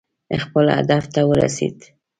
خپل هدف ته ورسېد.